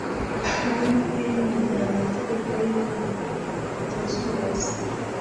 kandi yumvira amategeko y'imana atazuyaza